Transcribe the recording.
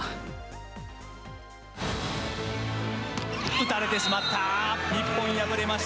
打たれてしまった。